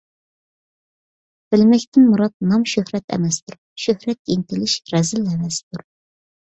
بىلمەكتىن مۇرات – نام - شۆھرەت ئەمەستۇر، شۆھرەتكە ئىنتىلىش رەزىل ھەۋەستۇر.